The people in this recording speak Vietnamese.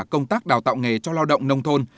công tác đào tạo nghề cho lao động nông thôn